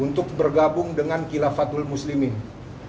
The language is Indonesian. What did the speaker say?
untuk bergabung dengan kilafatul muslimin